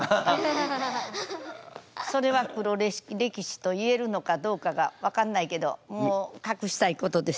それは黒歴史と言えるのかどうかが分かんないけどもう隠したいことですね。